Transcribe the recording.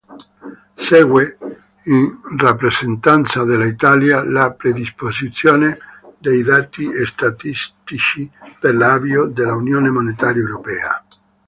Segue, in rappresentanza dell'Italia, la predisposizione dei dati statistici per l'avvio dell'Unione Monetaria Europea.